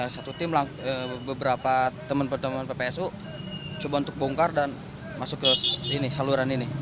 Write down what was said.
satu tim beberapa teman pertemuan ppsu coba untuk bongkar dan masuk ke saluran ini